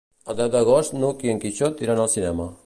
El deu d'agost n'Hug i en Quixot iran al cinema.